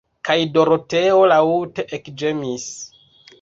Kaj Doroteo laŭte ekĝemis.